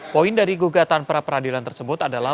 poin dari gugatan pra peradilan tersebut adalah